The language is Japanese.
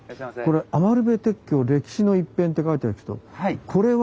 これ「余部鉄橋」歴史の一片って書いてありますけどこれは？